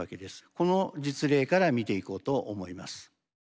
この実例から見ていこうと思います。